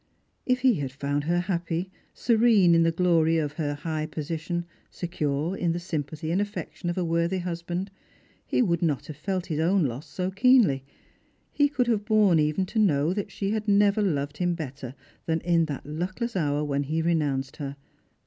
If he had found her happy, serene in the glory of her high position, secure in the sympathy and affection of a worthy hus band, he would not have felt his own loss so keenly ; he could have borne even to know that she had never loved him better tlnin in that luckless hour when he renounced her.